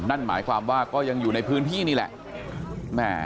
นั่นหมายความว่าก็ยังอยู่ในพื้นที่นี่แหละ